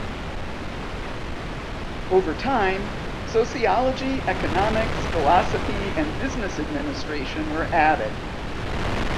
Over time, sociology, economics, philosophy, and business administration were added.